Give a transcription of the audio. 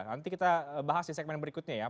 nanti kita bahas di segmen berikutnya ya